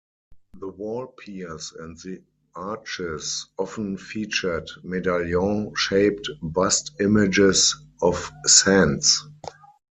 The wall piers and the arches often featured medallion-shaped bust images of saints.